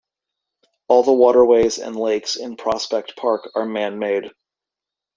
All the waterways and lakes in Prospect Park are man-made.